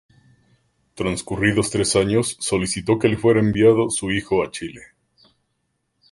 Transcurridos tres años solicitó que le fuera enviado su hijo a Chile.